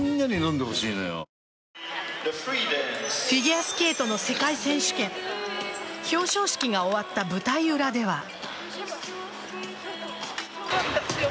フィギュアスケートの世界選手権表彰式が終わった舞台裏では。